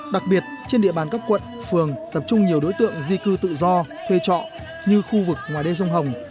đặc biệt trên địa bàn các quận phường tập trung nhiều đối tượng di cư tự do thuê trọ như khu vực ngoài đê rông hồng